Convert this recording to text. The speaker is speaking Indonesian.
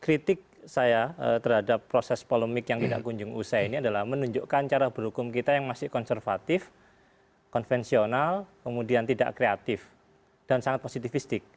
kritik saya terhadap proses polemik yang tidak kunjung usai ini adalah menunjukkan cara berhukum kita yang masih konservatif konvensional kemudian tidak kreatif dan sangat positifistik